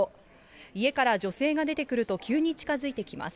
家から女性が出てくると急に近づいてきます。